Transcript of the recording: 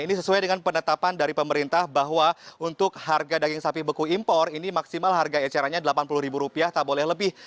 ini sesuai dengan penetapan dari pemerintah bahwa untuk harga daging sapi beku impor ini maksimal harga ecerannya delapan puluh tak boleh lebih